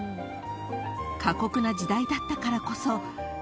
［過酷な時代だったからこそ］